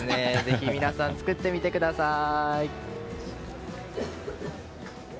ぜひ皆さん作ってみてください。